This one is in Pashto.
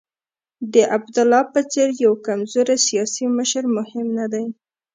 د عبدالله په څېر یو کمزوری سیاسي مشر مهم نه دی.